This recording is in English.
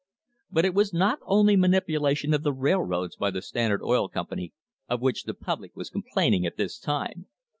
* But it was not only manipulation of the railroads by the Standard Oil Company of which the public was complain ing at this time.